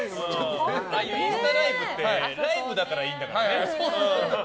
インスタライブってライブだからいいんだからね。